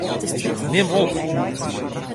Nim op.